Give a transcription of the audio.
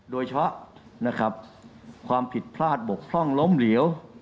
โดยเฉพาะความผิดพลาดบกพร่องล้มเหลียว